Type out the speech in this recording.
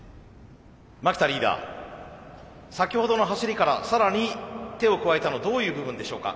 牧田リーダー先ほどの走りから更に手を加えたのどういう部分でしょうか？